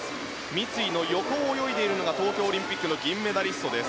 三井の横を泳いでいるのが東京オリンピックの銀メダリストです。